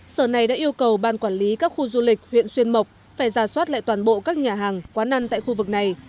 sở này đã yêu cầu ban quản lý các khu du lịch huyện xuyên mộc phải ra soát lại toàn bộ các nhà hàng quán ăn tại khu vực này